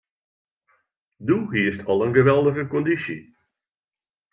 Doe hiest al in geweldige kondysje.